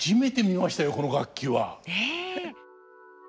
この楽器は。ねえ。